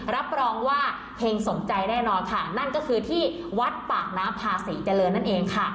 รับรองว่าเฮงสมใจแน่นอนค่ะนั่นก็คือที่วัดปากน้ำพาศรีเจริญนั่นเองค่ะ